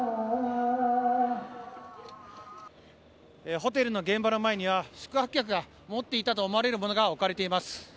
ホテルの現場の前には宿泊客が持っていたと思われるものが置かれています。